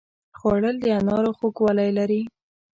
خوړل د انارو خوږوالی لري